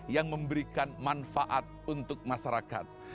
yang memberikan manfaat untuk masyarakat